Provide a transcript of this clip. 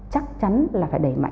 chắc chắn là phải đẩy mạnh